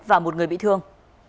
và một người bị thương